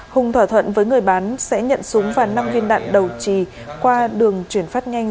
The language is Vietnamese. hùng thỏa thuận với người bán sẽ nhận súng và năm viên đạn đầu trì qua đường chuyển phát nhanh